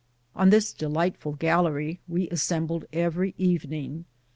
On this delightful gal lery we assembled every evening.